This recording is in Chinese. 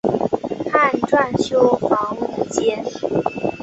汉纂修房五间。